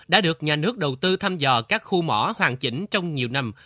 đã được nhà nước đầu tư thăm dò các khu mỏ hoàn chỉnh trong nhiều năm